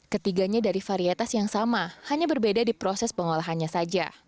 ketiganya dari varietas yang sama hanya berbeda di proses pengolahannya saja